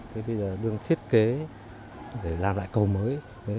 thế bây giờ đường thiết kế để làm lại cầu mới